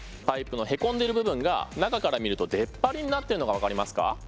パイプのへこんでる部分が中から見ると出っ張りになってるのが分かりますか？